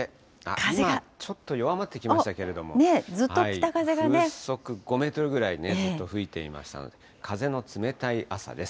風がちょっと弱まってきましたけど、風速５メートルぐらいね、ちょっと吹いてましたので、風の冷たい朝です。